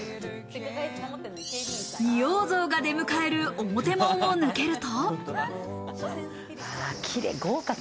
仁王像が出迎える表門を抜けると。